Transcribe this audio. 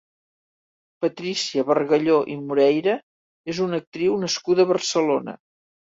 Patrícia Bargalló i Moreira és una actriu nascuda a Barcelona.